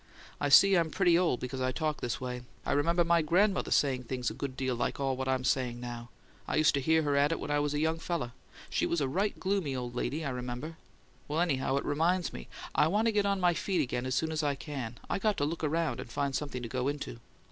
"I see I'm pretty old because I talk this way I remember my grandmother saying things a good deal like all what I'm saying now; I used to hear her at it when I was a young fellow she was a right gloomy old lady, I remember. Well, anyhow, it reminds me: I want to get on my feet again as soon as I can; I got to look around and find something to go into."